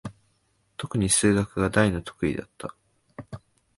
とくに数学が大の得意だった。